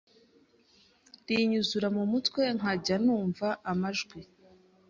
rinyuzura mu mutwe nkajya numva amajw